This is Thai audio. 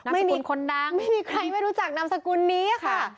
ไม่มีคนดังไม่มีใครไม่รู้จักนามสกุลนี้ค่ะ